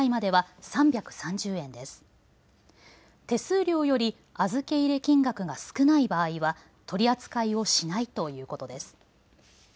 手数料より預け入れ金額が少ない場合は取り扱いをしないということです。